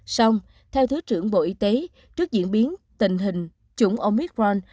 xong theo thứ trưởng bộ y tế trước diễn biến tình hình chủng omicron